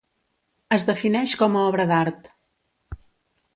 Es defineix com a obra d'art.